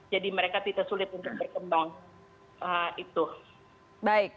mereka tidak sulit untuk berkembang